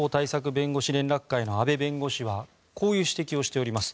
弁護士連絡会の阿部弁護士はこういう指摘をしております。